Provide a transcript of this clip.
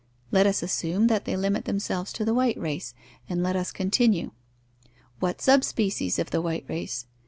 Let us assume that they limit themselves to the white race, and let us continue: "What sub species of the white race?"